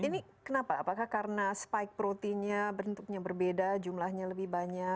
ini kenapa apakah karena spike proty nya bentuknya berbeda jumlahnya lebih banyak